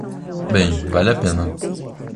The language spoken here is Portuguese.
Bem, vale a pena.